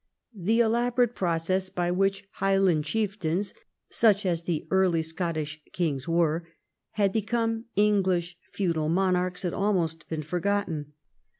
The elaborate process by which Highland chieftains, such as the early Scottish kings were, had become English feudal monarchs had almost been forgotten.